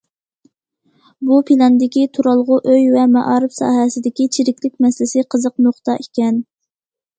بۇ پىلاندىكى تۇرالغۇ ئۆي ۋە مائارىپ ساھەسىدىكى چىرىكلىك مەسىلىسى قىزىق نۇقتا ئىكەن.